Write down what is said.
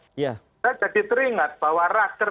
kita jadi teringat bahwa raker